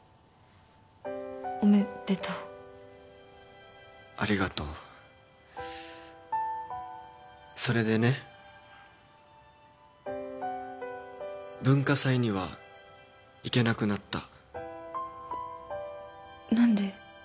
おめでとうありがとうそれでね文化祭には行けなくなった何で？